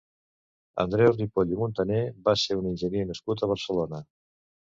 Andreu Ripoll i Muntaner va ser un enginyer nascut a Barcelona.